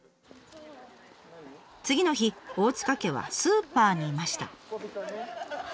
次の日大塚家はスーパーにいました。